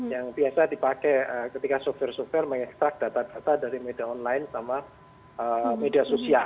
yang biasa dipakai ketika software software mengestrak data data dari media online sama media sosial